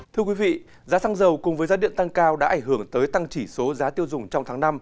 thưa quý vị giá xăng dầu cùng với giá điện tăng cao đã ảnh hưởng tới tăng chỉ số giá tiêu dùng trong tháng năm